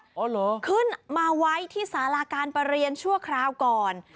เหรอขึ้นมาไว้ที่สาราการประเรียนชั่วคราวก่อน